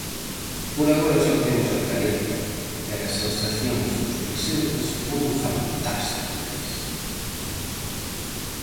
Por agora só temos a careta, pero as sensacións dos presentes foron fantásticas.